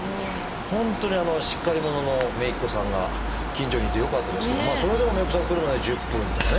本当にしっかり者の姪っ子さんが近所にいてよかったですけどそれでも姪っ子さん来るまで１０分とかね